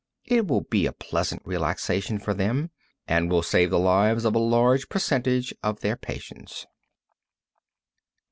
It will be a pleasant relaxation for them, and will save the lives of a large percentage of their patients.